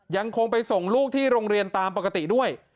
ยังคงไปส่งลูกที่โรงเรียนตามปกติด้วย